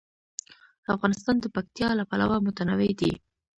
افغانستان د پکتیا له پلوه متنوع دی.